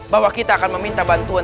bahwa kita akan meminta bantuan